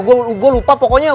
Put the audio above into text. gua lupa pokoknya